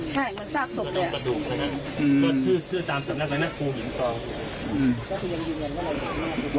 ใช่เหมือนซากสุกเลยอ่ะ